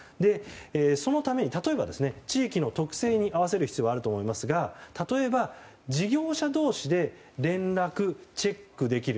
そのために例えば地域の特性に合わせる必要があると思いますが例えば、事業者同士で連絡、チェックできる。